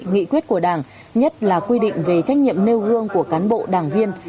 nghị quyết của đảng nhất là quy định về trách nhiệm nêu gương của cán bộ đảng viên